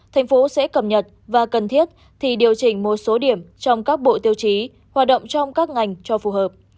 thành phố sẽ cập nhật và cần thiết thì điều chỉnh một số điểm trong các bộ tiêu chí hoạt động trong các ngành cho phù hợp